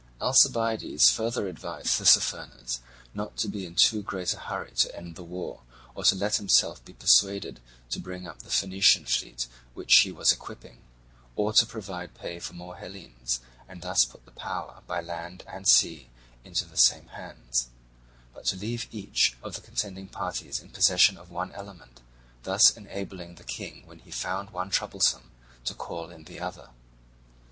Alcibiades further advised Tissaphernes not to be in too great a hurry to end the war, or to let himself be persuaded to bring up the Phoenician fleet which he was equipping, or to provide pay for more Hellenes, and thus put the power by land and sea into the same hands; but to leave each of the contending parties in possession of one element, thus enabling the king when he found one troublesome to call in the other.